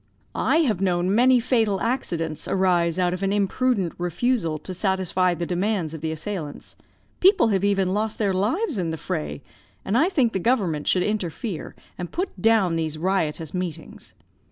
I have known many fatal accidents arise out of an imprudent refusal to satisfy the demands of the assailants. People have even lost their lives in the fray; and I think the government should interfere, and put down these riotous meetings.